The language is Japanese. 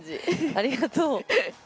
ありがとう。